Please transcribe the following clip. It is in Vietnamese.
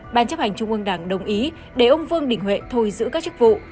ban chấp hành trung ương đảng đồng ý để ông vương đình huệ thôi giữ các chức vụ